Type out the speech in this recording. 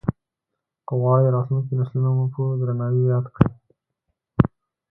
که غواړې راتلونکي نسلونه مو په درناوي ياد کړي.